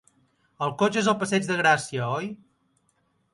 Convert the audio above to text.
El cotxe és al Passeig de Gràcia, oi?